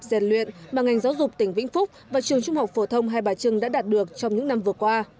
giàn luyện mà ngành giáo dục tỉnh vĩnh phúc và trường trung học phổ thông hai bà trưng đã đạt được trong những năm vừa qua